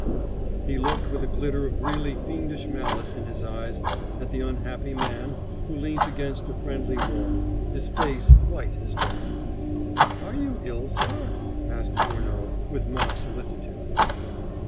He looked with a glitter of really fiendish malice in his eyes at the unhappy man who leant against a friendly wall, his face white as death. "Are you ill, sir?" asked Furneaux, with mock solicitude.